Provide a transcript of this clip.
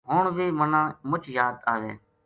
ہن ویہ منا مچ یاد آوے